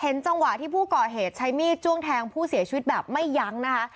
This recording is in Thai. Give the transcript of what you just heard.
จังหวะที่ผู้ก่อเหตุใช้มีดจ้วงแทงผู้เสียชีวิตแบบไม่ยั้งนะคะ